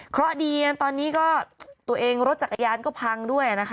เพราะดีตอนนี้ก็ตัวเองรถจักรยานก็พังด้วยนะคะ